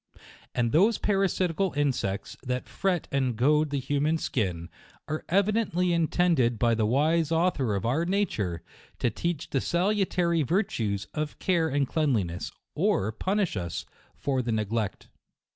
And those parasitical insects that fret and goad the hu man skin, are evidently intended by the wise Author of our nature, to teach the salutary virtues of care and cleanliness, or punish us for the neglect.